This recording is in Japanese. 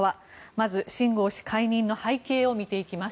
まず、シン・ゴウ氏解任の背景を見ていきます。